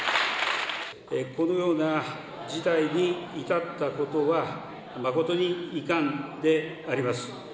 このような事態に至ったことは、誠に遺憾であります。